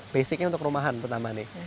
basicnya untuk rumahan pertama nih